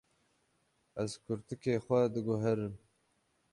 Ez kurtikê xwe diguherim.